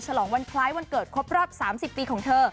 ฉลองวันคล้ายวันเกิดครบรอบ๓๐ปีของเธอ